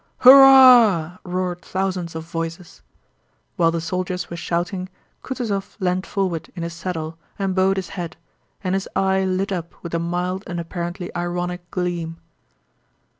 "Hur r rah!" roared thousands of voices. While the soldiers were shouting Kutúzov leaned forward in his saddle and bowed his head, and his eye lit up with a mild and apparently ironic gleam.